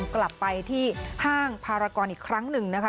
กลับไปที่ห้างพารากรอีกครั้งหนึ่งนะคะ